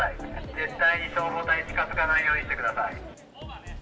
絶対に消防隊に近づかないようにしてください。